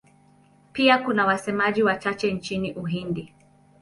Pia kuna wasemaji wachache nchini Uhindi.